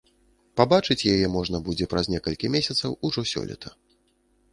Пабачыць яе можна будзе праз некалькі месяцаў, ужо сёлета.